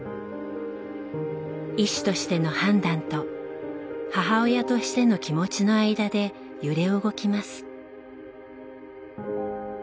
医師としての判断と母親としての気持ちの間で揺れ動きます。